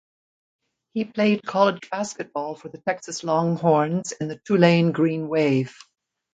He played college basketball for the Texas Longhorns and the Tulane Green Wave.